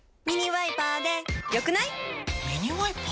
「『ミニワイパー』で良くない？」